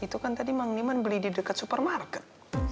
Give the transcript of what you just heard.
itu kan tadi bang niman beli di dekat supermarket